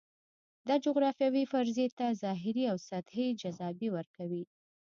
دا جغرافیوي فرضیې ته ظاهري او سطحي جذابیت ورکوي.